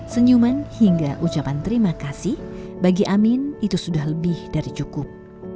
senyuman hingga ucapan terima kasih bagi amin itu sudah lebih dari cukup